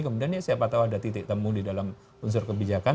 kemudian ya siapa tahu ada titik temu di dalam unsur kebijakan